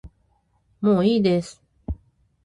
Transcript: もういいです